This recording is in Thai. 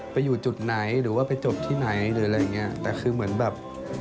อยู่จุดไหนหรือว่าไปจบที่ไหนหรืออะไรอย่างเงี้ยแต่คือเหมือนแบบ